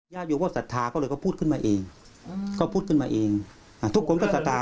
อยู่ก็ศรัทธาก็เลยเขาพูดขึ้นมาเองก็พูดขึ้นมาเองทุกคนก็ศรัทธา